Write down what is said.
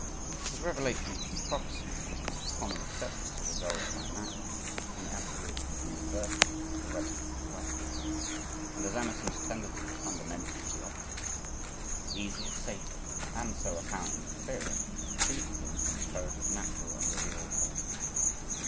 As revelation and prophecy, in their common acceptance are resolved by man, from the absolute and universal, to the relative and personal, and as Emerson's tendency is fundamentally the opposite, it is easier, safer and so apparently clearer, to think of him as a poet of natural and revealed philosophy.